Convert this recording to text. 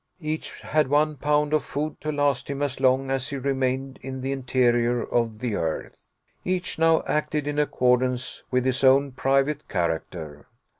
Each had one pound of food to last him as long as he remained in the interior of the earth. Each now acted in accordance with his own private character.